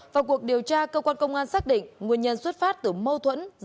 vào cuộc điều tra cơ quan công an xác định nguyên nhân xuất phát từ mâu thuẫn